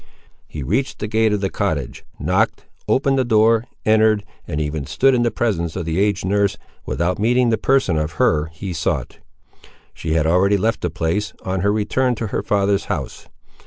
He reached the gate of the cottage, knocked, opened the door, entered, and even stood in the presence of the aged nurse, without meeting the person of her he sought. She had already left the place, on her return to her father's house!